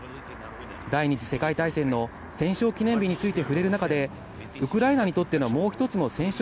第２次世界大戦の戦勝記念日について触れる中で、ウクライナにとってのもう一つの戦勝